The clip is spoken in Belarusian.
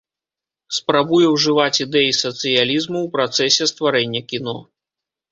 Спрабуе ўжываць ідэі сацыялізму ў працэсе стварэння кіно.